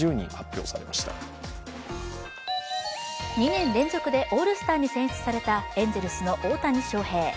２年連続でオールスターに選出されたエンゼルスの大谷翔平。